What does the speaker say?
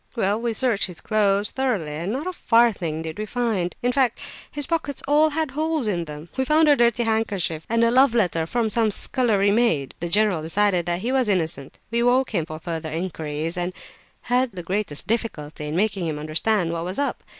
Well, we searched his clothes thoroughly, and not a farthing did we find; in fact, his pockets all had holes in them. We found a dirty handkerchief, and a love letter from some scullery maid. The general decided that he was innocent. We awoke him for further inquiries, and had the greatest difficulty in making him understand what was up.